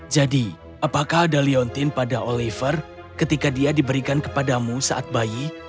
jadi apakah ada leontyne pada oliver ketika dia diberikan kepadamu saat bayi